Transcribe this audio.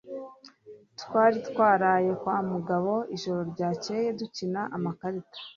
Twari twaraye kwa Mugabo ijoro ryakeye dukina amakarita.